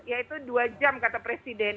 yaitu dua jam kata presiden